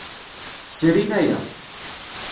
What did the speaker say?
Srin aya.